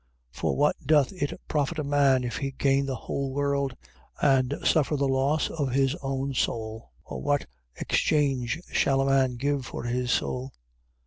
16:26. For what doth it profit a man, if he gain the whole world and suffer the loss of his own soul? Or what exchange shall a man give for his soul?